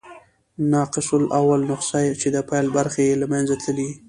ناقص الاول نسخه، چي د پيل برخي ئې له منځه تللي يي.